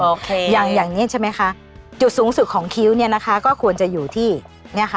โอเคอย่างอย่างนี้ใช่ไหมคะจุดสูงสุดของคิ้วเนี่ยนะคะก็ควรจะอยู่ที่เนี่ยค่ะ